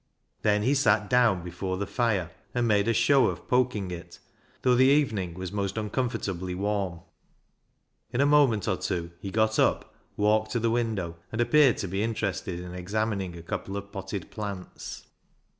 Then he sat down before the fire and made a show of ISAAC'S ANGEL 363 poking it, though the evening was most uncom fortably warm. In a moment or two he got up, walked to the window, and appeared to be interested in examining a couple of potted plants.